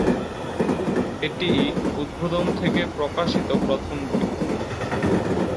এটিই উদ্বোধন থেকে প্রকাশিত প্রথম বই।